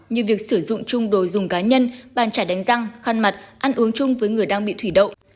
như việc sử dụng chung đồ dùng cá nhân bàn trả đánh răng khăn mặt ăn uống chung với người đang bị thủy đậu